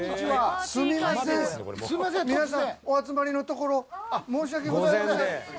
お集まりのところ申し訳ございません。